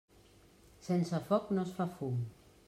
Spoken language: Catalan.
Sense foc no es fa fum.